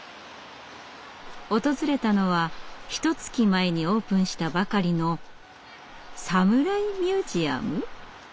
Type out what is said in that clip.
訪れたのはひとつき前にオープンしたばかりの「サムライミュージアム」！？